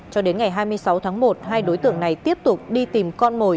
cho đến ngày hai mươi sáu tháng một hai đối tượng này tiếp tục đi tìm con mồi